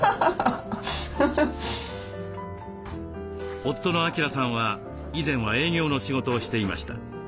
夫の明さんは以前は営業の仕事をしていました。